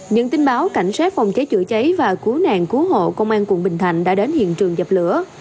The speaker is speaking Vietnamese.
những tin báo cảnh sát phòng cháy chữa cháy và cứu nạn cứu hộ công an quận bình thạnh đã đến hiện trường dập lửa